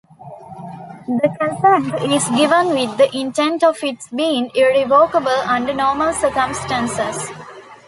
The consent is given with the intent of its being irrevocable under normal circumstances.